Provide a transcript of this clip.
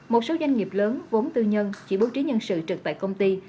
một số doanh nghiệp lớn vốn tư nhân chỉ bố trí nhân sự trực tại công ty